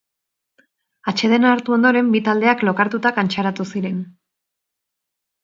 Atsedena hartu ondoren, bi taldeak lokartuta kantxaratu ziren.